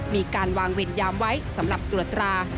มีการวางเวรยามไว้สำหรับตรวจรา